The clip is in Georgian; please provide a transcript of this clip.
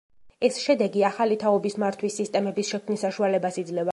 ეს შედეგი ახალი თაობის მართვის სისტემების შექმნის საშუალებას იძლევა.